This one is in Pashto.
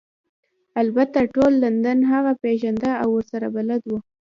البته ټول لندن هغه پیژنده او ورسره بلد وو